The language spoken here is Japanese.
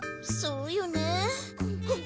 そうよね。